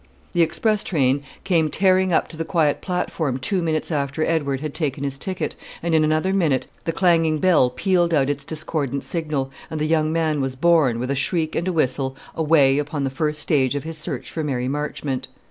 The express train came tearing up to the quiet platform two minutes after Edward had taken his ticket; and in another minute the clanging bell pealed out its discordant signal, and the young man was borne, with a shriek and a whistle, away upon the first stage of his search for Mary Marchmont.